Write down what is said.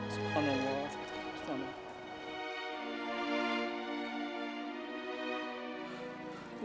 subhanallah ya allah